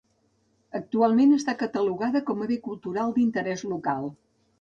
Actualment està catalogada com a Bé Cultural d'Interès Local.